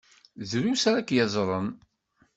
Drus akya ara yeẓṛen.